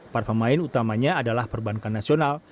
para pemain utamanya adalah perbankan nasional